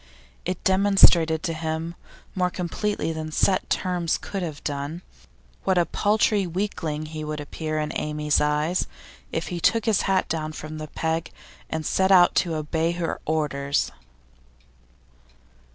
It demonstrated to him more completely than set terms could have done what a paltry weakling he would appear in Amy's eyes if he took his hat down from the peg and set out to obey her orders.